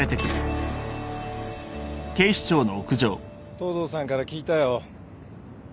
・東堂さんから聞いたよ。